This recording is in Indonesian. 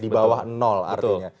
di bawah artinya